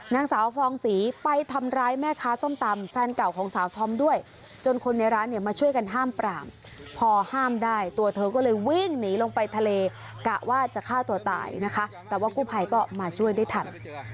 นางสาวฟองศรีไปทำร้ายแม่ค้าส้มตำแฟนเก่าของสาวทอมด้วยจนคนในร้านเนี่ยมาช่วยกันห้ามปรามพอห้ามได้ตัวเธอก็เลยวิ่งหนีลงไปทะเลกะว่าจะฆ่าตัวตายนะคะแต่ว่ากู้ภัยก็มาช่วยได้ทัน